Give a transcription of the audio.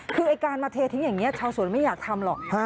คือไอ้การมาเททิ้งอย่างนี้ชาวสวนไม่อยากทำหรอก